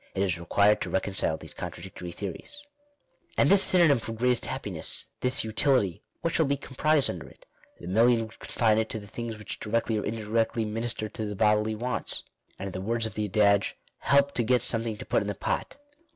It is required to reconcile these con tradictory theories. — And this synonyme for " greatest happiness "— this " utility "— what shall be comprised under it? The million would con Digitized by VjOOQIC % X \ INTRODUCTION. 7 fine it to the things which directly or indirectly minister to the bodily wants, and in the words of the adage "help to get something to put in the pot."